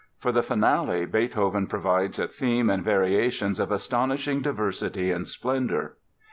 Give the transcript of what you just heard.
For the Finale Beethoven provides a theme and variations of astonishing diversity and splendor.